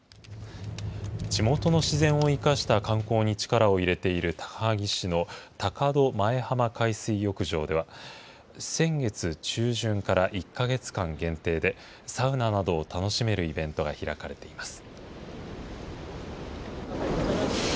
地元の自然を生かした観光に力を入れている高萩市の高戸前浜海水浴場では、先月中旬から１か月間限定で、サウナなどを楽しめるイベントが開かれています。